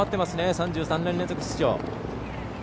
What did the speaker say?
３３年連続出場。